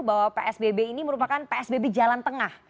bahwa psbb ini merupakan psbb jalan tengah